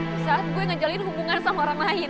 di saat gue ngejalin hubungan sama orang lain